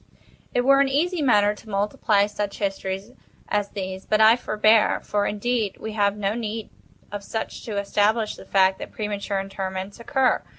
It were an easy matter to multiply such histories as these—but I forbear—for, indeed, we have no need of such to establish the fact that premature interments occur.